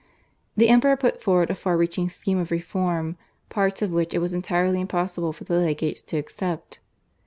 The Emperor put forward a far reaching scheme of reform parts of which it was entirely impossible for the legates to accept.